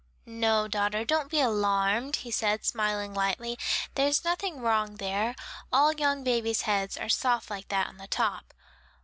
"No, daughter, don't be alarmed," he said smiling slightly, "there's nothing wrong there; all young babies' heads are soft like that on the top."